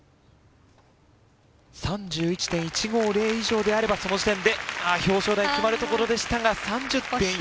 ３１．１５０以上であればその時点で表彰台決まるところでしたが３０．４００。